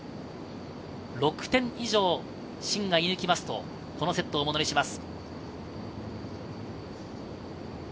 ６点以上シンが射抜きますと、このセットをものにします。